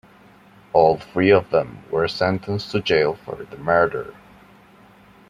All three of them were sentenced to jail for the murder.